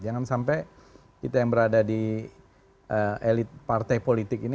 jangan sampai kita yang berada di elit partai politik ini